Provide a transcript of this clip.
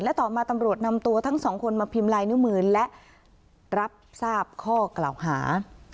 และต่อมาตำรวจนำตัวทั้งสองคนมาพิมพ์ลายนิ้วมือและรับทราบข้อกล่าวหา